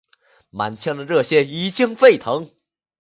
满腔的热血已经沸腾，